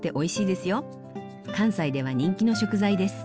関西では人気の食材です。